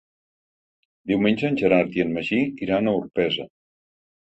Diumenge en Gerard i en Magí iran a Orpesa.